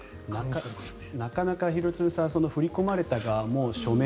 なかなか廣津留さん振り込まれた側も署名